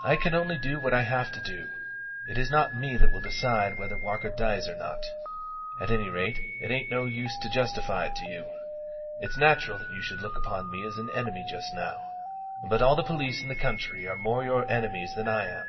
"I can only do what I have to do: it is not me that will decide whether Walker dies or not. At any rate, it ain't no use to justify it to you. It's natural that you should look upon me as an enemy just now; but all the police in the country are more your enemies than I am.